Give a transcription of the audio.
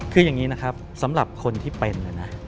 คืออย่างนี้นะครับสำหรับคนที่เป็นเลยนะ